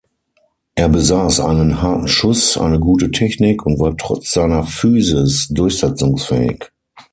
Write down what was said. Er besaß einen harten Schuss, eine gute Technik und war trotz seiner Physis durchsetzungsfähig.